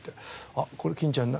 あっこれ欽ちゃん